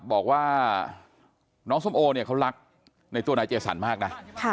บอกว่าน้องส้มโอเนี่ยเขารักในตัวนายเจสันมากนะ